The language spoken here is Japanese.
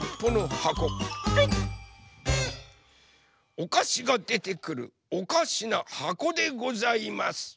おかしがでてくるおかしなはこでございます。